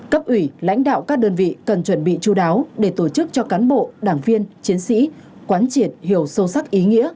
cấp ủy lãnh đạo các đơn vị cần chuẩn bị chú đáo để tổ chức cho cán bộ đảng viên chiến sĩ quán triệt hiểu sâu sắc ý nghĩa